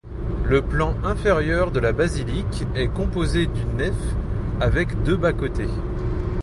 Le plan intérieur de la basilique est composé d'une nef avec deux bas-côtés.